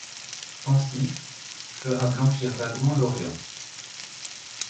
Pensif, fera blanchir vaguement l'orient ;